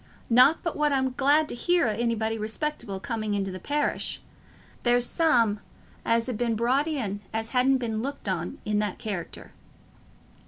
Not but what I'm glad to hear o' anybody respectable coming into the parish; there's some as ha' been brought in as hasn't been looked on i' that character."